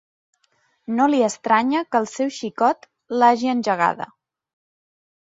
No li estranya que el seu xicot l'hagi engegada.